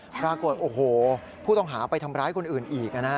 ปรากฏโอ้โหผู้ต้องหาไปทำร้ายคนอื่นอีก